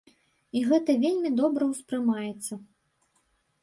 І гэта вельмі добра ўспрымаецца.